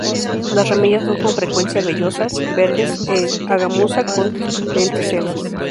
Las ramillas son con frecuencia vellosas, verdes a gamuza con lenticelas.